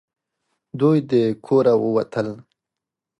دوی د کوره ووتل .